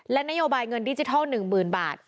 และนโยบายเงินดิจิทัล๑๐๐๐บาท